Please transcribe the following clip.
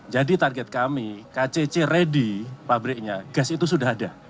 jadi target kami kcc ready pabriknya gas itu sudah ada